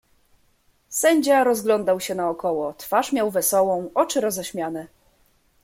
"Sędzia rozglądał się naokoło, twarz miał zadowoloną, oczy roześmiane."